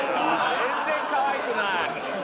全然かわいくない。